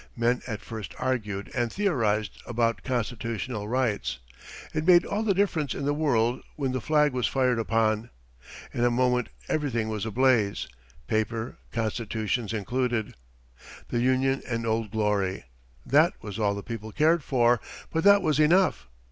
Men at first argued and theorized about Constitutional rights. It made all the difference in the world when the flag was fired upon. In a moment everything was ablaze paper constitutions included. The Union and Old Glory! That was all the people cared for, but that was enough.